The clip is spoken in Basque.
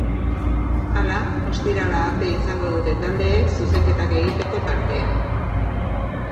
Hala, ostirala arte izango dute taldeek zuzenketak egiteko tartea.